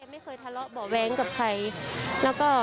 ไม่เคยทะเลาะเบาะแว้งกับใครแล้วก็